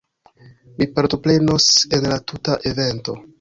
Mi partoprenos en la tuta evento